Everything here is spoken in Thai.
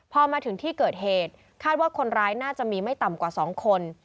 พอมาถึงที่เกิดเหตุคาดว่าคนร้ายน่าจะมีไม่ต่ำกว่า๒คน